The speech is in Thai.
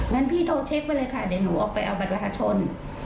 งั้นพี่โทรเช็คไปเลยค่ะเดี๋ยวหนูออกไปเอาบัตรประชาชน